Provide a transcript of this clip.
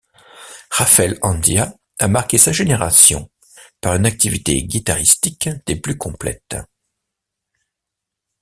Rafael Andia a marqué sa génération par une activité guitaristique des plus complètes.